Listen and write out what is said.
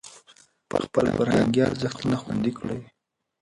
خپل فرهنګي ارزښتونه خوندي کړئ.